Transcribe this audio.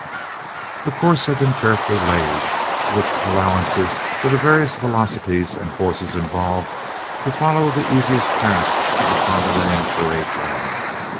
The course had been carefully laid, with allowance for the various velocities and forces involved, to follow the easiest path to the Kondalian parade ground.